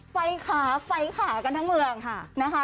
ไฟขาไฟขากันทั้งเมืองนะคะ